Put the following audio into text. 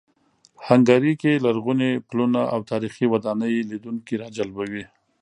هنګري کې لرغوني پلونه او تاریخي ودانۍ لیدونکي راجلبوي.